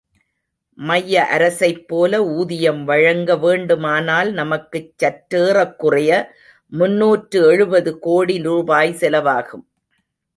மைய அரசைப்போல ஊதியம் வழங்க வேண்டுமானால் நமக்குச் சற்றேறக்குறைய முன்னூற்று எழுபது கோடி ரூபாய் செலவாகும்.